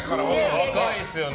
若いですよね。